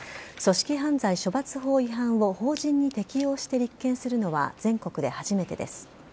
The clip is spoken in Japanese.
組織犯罪処罰法違反を法人に適用して立件するのは全国初めてです。